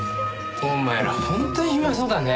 お前ら本当に暇そうだね。